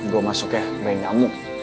gue masuk ya gue ingin nyamuk